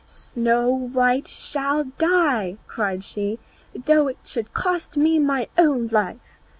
"Snow white shall die," cried she, "though it should cost me my own life!"